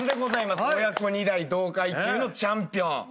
親子二代同階級のチャンピオン。